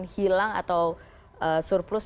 hilang atau surplus